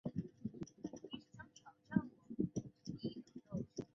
应仁之乱发生于日本室町幕府第八代将军足利义政在任时的一次内乱。